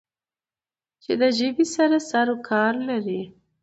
چې د ژبې سره سرو کار لری